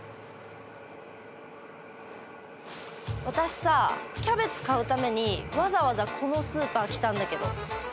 私さキャベツ買うためにわざわざこのスーパー来たんだけど。